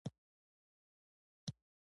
د دین د تاریخ سم او واقعي تصویر نه وي.